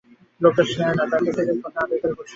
লোকটা সেয়ানা, তার কাছ থেকে কথা আদায় করা শক্ত হবে।